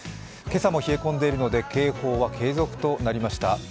今朝も冷え込んでいるので警報は継続となりました。